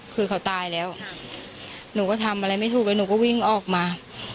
คือเขาตายแล้วหนูก็ทำอะไรไม่ถูกแล้วหนูก็วิ่งออกมา